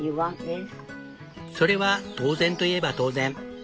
それは当然といえば当然。